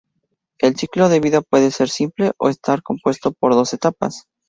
El ciclo de vida puede ser simple o estar compuesto por dos etapas.